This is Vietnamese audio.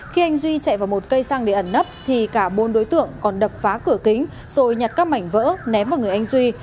khi anh duy chạy vào một cây xăng để ẩn nấp thì cả bốn đối tượng còn đập phá cửa kính rồi nhặt các mảnh vỡ ném vào người anh duy